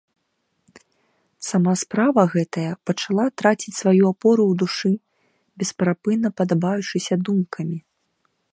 Сама справа гэтая пачала траціць сваю апору ў душы, бесперапынна падабаючыся думкамі.